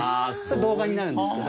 動画になるんですけど。